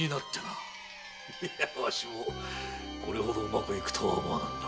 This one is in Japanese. いやわしもこれほどうまくゆくとは思わなんだ。